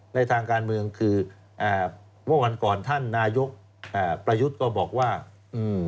ในทางการเมืองคืออ่าเมื่อวันก่อนท่านนายกอ่าประยุทธ์ก็บอกว่าอืม